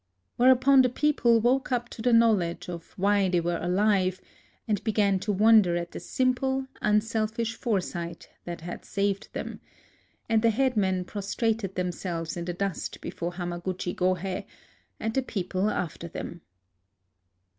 Where upon the people woke up to the knowledge of why they were alive, and began to wonder at the simple, unselfish foresight that had saved them; and the headmen prostrated them selves in the dust before Hamaguchi Gohei, and the people after them.